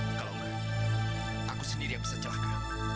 kalau tidak aku sendiri yang bisa menolongmu